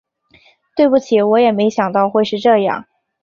对不起，我也没想到会是这样